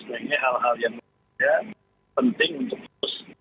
hanya hal hal yang penting untuk terus